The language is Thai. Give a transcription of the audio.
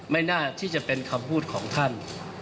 ไม่น่าที่จะเป็นคำพูดของท่าน